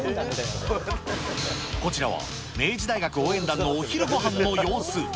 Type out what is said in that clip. こちらは明治大学応援団のお昼ごはんの様子。